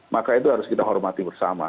maka itu harus kita hormati bersama